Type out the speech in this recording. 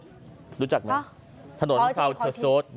รู้จักไหมถนนพร้าวเธอโซส